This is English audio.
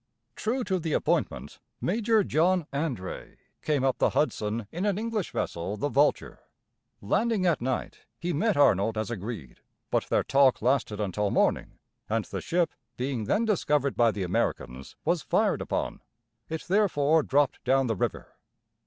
True to the appointment, Major John André came up the Hudson in an English vessel, the Vulture. Landing at night, he met Arnold as agreed; but their talk lasted until morning, and the ship, being then discovered by the Americans, was fired upon. It therefore dropped down the river.